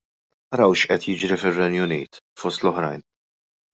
Araw x'qed jiġri fir-Renju Unit, fost l-oħrajn.